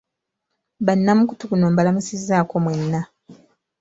Bannamukutu guno mbalamusizzaako mwenna.